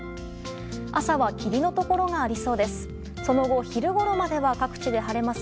朝は霧のところがありそうです。